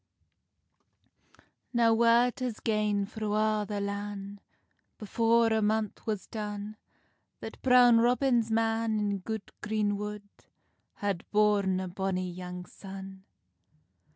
Now word has gane thro a' the lan, Before a month was done, That Brown Robin's man, in good green wood, Had born a bonny young son.